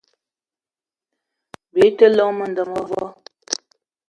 Bi te llong m'nda mevo